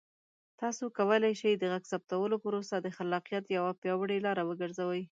تاسو کولی شئ د غږ ثبتولو پروسه د خلاقیت یوه پیاوړې لاره وګرځوئ.